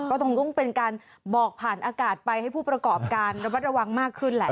ก็ต้องเป็นการบอกผ่านอากาศไปให้ผู้ประกอบการระมัดระวังมากขึ้นแหละ